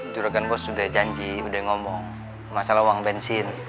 juragan bos sudah janji udah ngomong masalah uang bensin